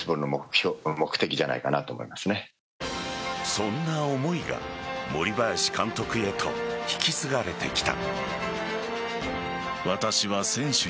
そんな思いが森林監督へと引き継がれてきた。